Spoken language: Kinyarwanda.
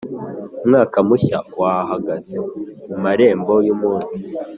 umwaka mushya wahagaze mu marembo yumunsi,